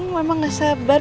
sampai di sini